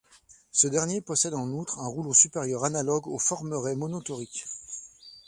Ce dernier possède en outre un rouleau supérieur analogue aux formerets monotoriques.